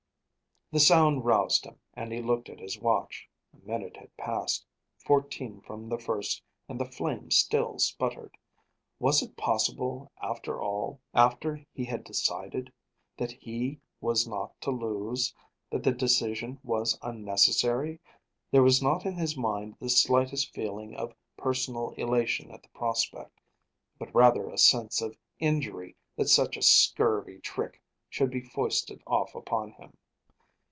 The sound roused him and he looked at his watch. A minute had passed, fourteen from the first and the flame still sputtered. Was it possible after all after he had decided that he was not to lose, that the decision was unnecessary? There was not in his mind the slightest feeling of personal elation at the prospect, but rather a sense of injury that such a scurvy trick should be foisted off upon him.